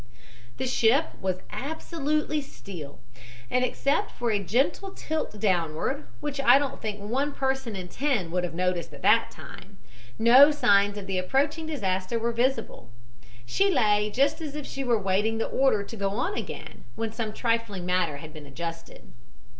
"The ship was absolutely still, and except for a gentle tilt downward, which I don't think one person in ten would have noticed at that time, no signs of the approaching disaster were visible. She lay just as if she were waiting the order to go on again when some trifling matter had been adjusted.